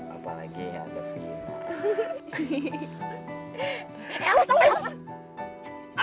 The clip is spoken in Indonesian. apalagi ada fina